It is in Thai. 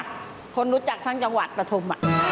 ดีค่ะคนรู้จักสร้างจังหวัดประธม